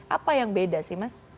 apa yang beda sih mas